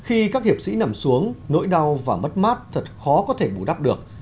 khi các hiệp sĩ nằm xuống nỗi đau và mất mát thật khó có thể bù đắp được